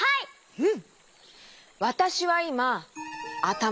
うん。